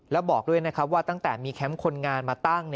แล้วบอกด้วยนะครับว่าตั้งแต่มีแคมป์คนงานมาตั้ง